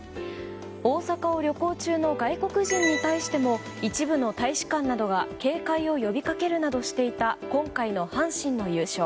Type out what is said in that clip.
大阪を旅行中の外国人に対しても一部の大使館などが警戒を呼びかけるなどしていた今回の阪神の優勝。